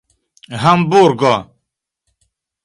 hamburgo